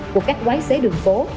của các quái xế đường phố